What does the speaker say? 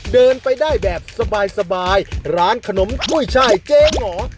เดินไปได้แบบสบายร้านขนมกุ้ยช่ายเจ๊งอ